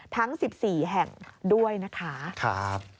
ทั้ง๑๔แห่งด้วยนะคะ